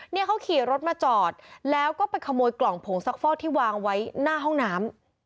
เนี่ยเขาขี่รถมาจอดแล้วก็ไปขโมยกล่องผงซักฟอกที่วางไว้หน้าห้องน้ำ